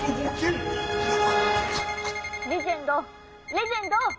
「レジェンドレジェンド！」。